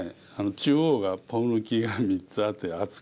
中央がポン抜きが３つあって厚くて。